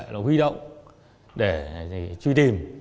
là huy động để truy tìm